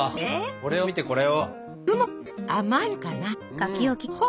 これを見てこれを。